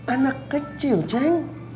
anak kecil ceng